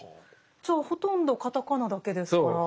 じゃあほとんど片仮名だけですから。